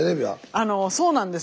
あのそうなんです。